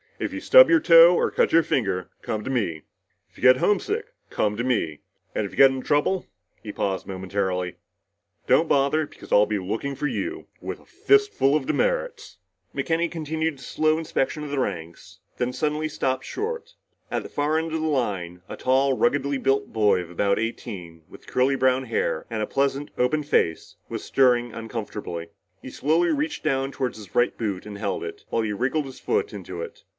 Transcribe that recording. If you stub your toe or cut your finger, come to me. If you get homesick, come to me. And if you get into trouble" he paused momentarily "don't bother because I'll be looking for you, with a fist full of demerits!" McKenny continued his slow inspection of the ranks, then suddenly stopped short. At the far end of the line, a tall, ruggedly built boy of about eighteen, with curly brown hair and a pleasant, open face, was stirring uncomfortably. He slowly reached down toward his right boot and held it, while he wriggled his foot into it.